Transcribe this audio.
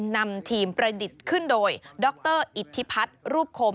นำทีมประดิษฐ์ขึ้นโดยดรอิทธิพัฒน์รูปคม